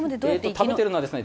食べているのはですね